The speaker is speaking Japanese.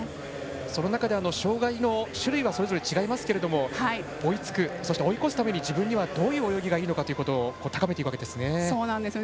その中で、障がいの種類はそれぞれ違いますけれども追いつく、追い越すために自分にはどういう泳ぎがいいのかということを高めているわけですね。